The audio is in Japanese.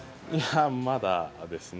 まだですね。